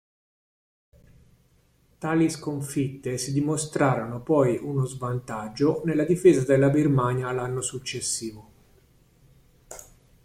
Tali sconfitte si dimostrarono poi uno svantaggio nella difesa della Birmania l'anno successivo.